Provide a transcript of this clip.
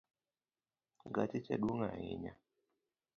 Gache cha dwong ahinya.